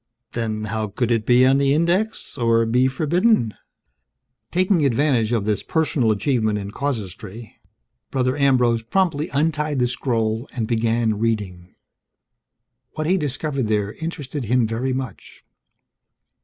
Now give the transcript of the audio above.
Then, how could it be on the Index or be forbidden? Taking advantage of this personal achievement in casuistry, Brother Ambrose promptly untied the scroll and began reading. What he discovered there interested him very much.